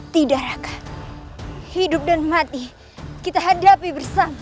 tidak raka hidup dan mati kita hadapi bersama